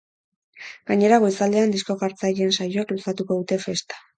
Gainera, goizaldean disko-jartzaileen saioek luzatuko dute festa.